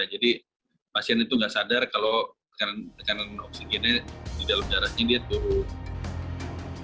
jadi pasien itu nggak sadar kalau tekanan oksigennya di dalam darahnya dia tuh